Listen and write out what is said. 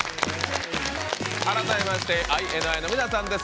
改めましてＩＮＩの皆さんです。